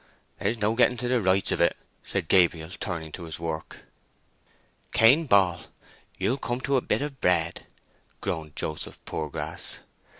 "There's no getting at the rights of it," said Gabriel, turning to his work. "Cain Ball, you'll come to a bit of bread!" groaned Joseph Poorgrass.